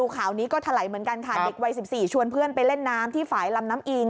ข่าวนี้ก็ถลายเหมือนกันค่ะเด็กวัย๑๔ชวนเพื่อนไปเล่นน้ำที่ฝ่ายลำน้ำอิง